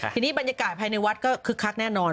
และท่ายเกาะภายในวัดก็คลึกคัดแน่นอน